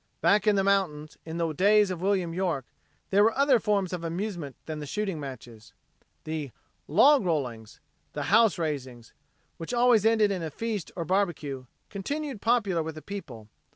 Back in the mountains in the days of William York, there were other forms of amusement than the shooting matches. The "log rollings," the "house raisings," which always ended in a feast or barbecue, continued popular with the people.